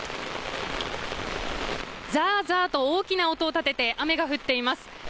ザーザーと大きな音を立てて雨が降っています。